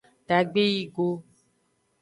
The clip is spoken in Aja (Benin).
Dagbe yi go.